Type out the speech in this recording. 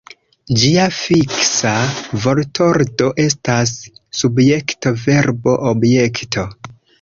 Ĝia fiksa vortordo estas subjekto-verbo-objekto.